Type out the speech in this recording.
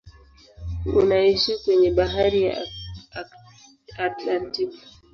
Unaishia kwenye bahari ya Atlantiki.